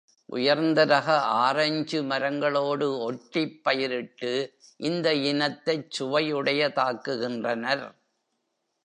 உயர்ந்த ரக ஆரஞ்சு மரங்களோடு ஒட்டிப் பயிரிட்டு இந்த இனத்தைச் சுவையுடையதாக்குகின்றனர்.